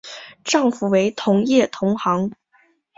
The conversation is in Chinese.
丈夫为同业同行。